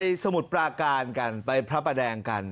สมุทรปราการกันไปพระประแดงกัน